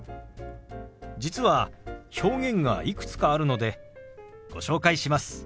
実は表現がいくつかあるのでご紹介します。